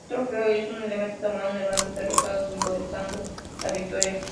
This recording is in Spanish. Un trofeo es un elemento tomado del bando derrotado simbolizando la victoria.